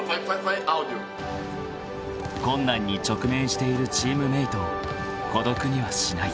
［困難に直面しているチームメートを孤独にはしない］